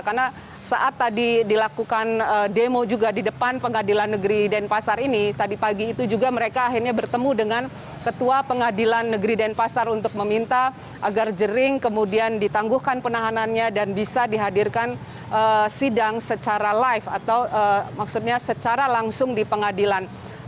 karena saat tadi dilakukan demo juga di depan pengadilan negeri denpasar ini tadi pagi itu juga mereka akhirnya bertemu dengan ketua pengadilan negeri denpasar untuk meminta agar jering kemudian ditangguhkan penahanannya dan bisa dihadirkan sidang secara live atau maksudnya secara langsung di pengadilan